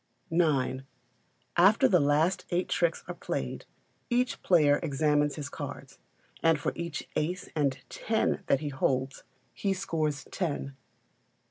ix. After the last eight tricks are played, each player examines his cards, and for each ace and ten that he holds he scores ten.